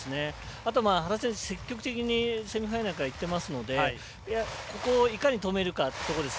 あと、原選手は積極的にセミファイナルからいっていますのでいかに止めるかというところです。